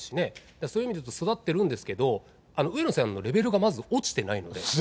そういう意味で言うと育っているんですけど、上野さんのレベルがまず落ちてないので。